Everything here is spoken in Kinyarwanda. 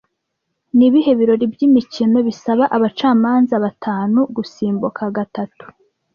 Ni ibihe birori by'imikino bisaba abacamanza batanu Gusimbuka gatatu